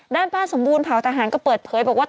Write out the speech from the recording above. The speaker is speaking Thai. ด้านป้าสมบูรณเผาทหารก็เปิดเผยบอกว่า